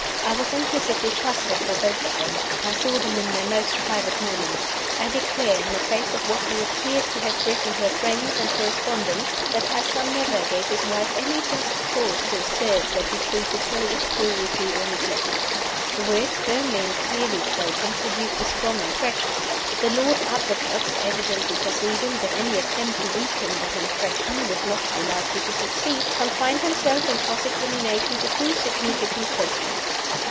I was implicitly trusted by both of them; I saw them in their most private moments. I declare in the face of what she appears to have written to her friends and correspondents that my son never gave his wife any just cause to assert that he treated her with cruelty or neglect." The words, firmly and clearly spoken, produced a strong impression. The Lord Advocate evidently perceiving that any attempt to weaken that impression would not be likely to succeed confined himself, in cross examination, to two significant questions.